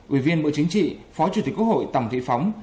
ủy viên bộ chính trị phó chủ tịch quốc hội tòng thị phóng